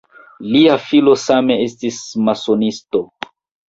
Lia filo same estis masonisto.